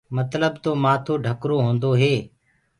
متلب تو مآٿو ڍڪرو هوندو هي۔